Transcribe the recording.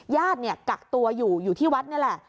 ญาติกักตัวอยู่อยู่ที่วัดนี่แหละ